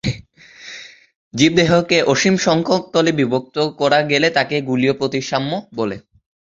জীব দেহকে অসীম সংখ্যক তলে বিভক্ত করা গেলে তাকে গোলীয় প্রতিসাম্য বলে।